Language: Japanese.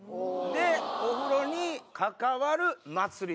でお風呂に関わる祭りですね。